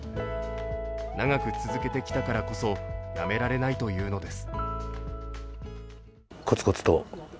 長く続けてきたからこそやめられないというのです。